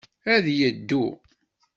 Ad yeddu.